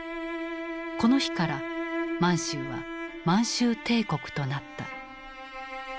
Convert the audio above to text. この日から満州は満州帝国となった。